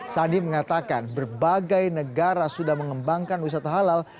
sandi mengatakan berbagai negara sudah mengembangkan wisata halal